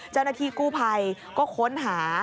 เจ้าหน้าที่กู้ภัยก็ค้นหา